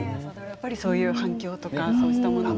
やっぱりそういう反響とかそうしたものも。